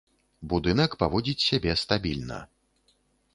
Будынак паводзіць сябе стабільна.